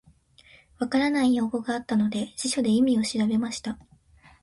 分からない用語があったので、辞書で意味を調べました。